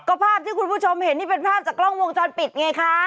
ก็ภาพที่คุณผู้ชมเห็นนี่เป็นภาพจากกล้องวงจรปิดไงคะ